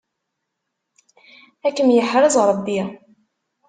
Ad kem-yeḥrez Ṛebbi.